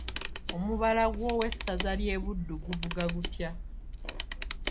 Omubala gw'Owessaza ly'e buddu guvuga gutya?